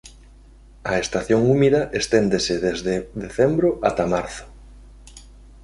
A estación húmida esténdese desde decembro ata marzo.